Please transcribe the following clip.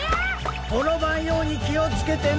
ころばんようにきをつけてな。